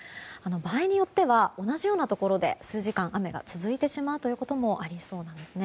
場合によっては同じようなところで数時間雨が続いてしまうところもありそうですね。